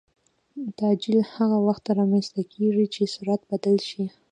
تعجیل هغه وخت رامنځته کېږي چې سرعت بدل شي.